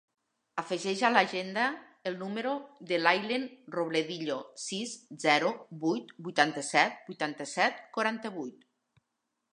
Afegeix a l'agenda el número de l'Aylen Robledillo: sis, zero, vuit, vuitanta-set, vuitanta-set, quaranta-vuit.